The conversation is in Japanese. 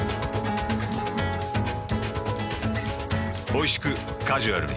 おいしくカジュアルに。